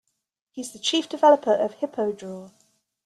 He is the chief developer of HippoDraw.